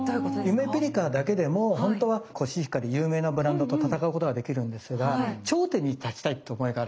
ゆめぴりかだけでもほんとはコシヒカリ有名なブランドと戦うことができるんですが頂点に立ちたいっていう思いがあるわけですよね。